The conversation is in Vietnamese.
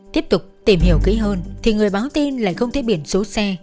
tiếp tục tìm hiểu kỹ hơn thì người báo tin lại không thấy biển số xe